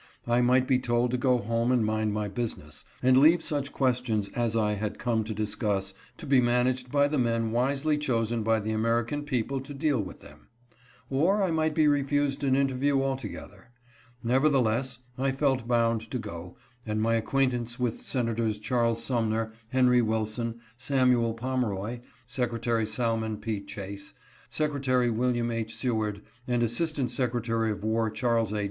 I might be told to go home and mind my business, and leave such questions as I had come to dis cuss to be managed by the men wisely chosen by the American people to deal with them. Or I might be re fused an interview altogether. Nevertheless, I felt bound to go, and my acquaintance with Senators Charles Sum ner, Henry Wilson, Samuel Pomeroy, Secretary Salmon P. Chase, Secretary William H. Seward, and Assistant Secretary of War Charles A.